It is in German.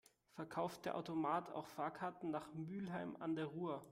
Verkauft der Automat auch Fahrkarten nach Mülheim an der Ruhr?